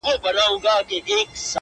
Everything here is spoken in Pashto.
• دا د شیخانو له دستاره سره نه جوړیږي ,